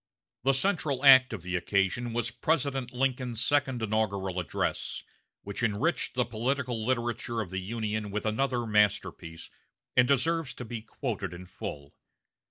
The central act of the occasion was President Lincoln's second inaugural address, which enriched the political literature of the Union with another masterpiece, and deserves to be quoted in full.